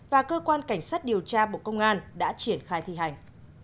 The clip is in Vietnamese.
và cơ quan cảnh sát điều tra bộ công an đã triển khai thi hành